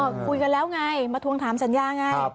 ก็คุยกันแล้วไงมาทวงถามสัญญาไง